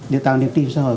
để tạo niềm tin xã hội